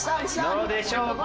どうでしょうか？